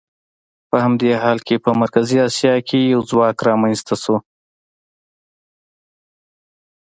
په همدې حال کې په مرکزي اسیا کې یو ځواک راڅرګند شو.